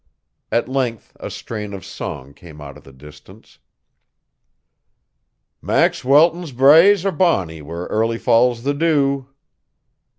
At length a strain of song came out of the distance. 'Maxwelton's braes are bonnie where early falls the dew.'